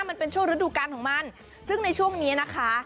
มันเป็นช่วงฤดูการของมันซึ่งในช่วงนี้นะคะ